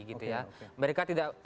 gitu ya mereka tidak